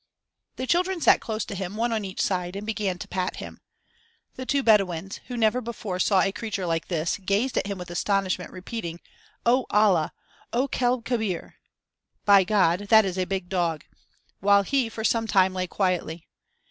The children sat close to him, one on each side, and began to pat him. The two Bedouins, who never before saw a creature like this, gazed at him with astonishment, repeating: "On Allah! o kelb kebir!" ("By God! that is a big dog!") while he for some time lay quietly.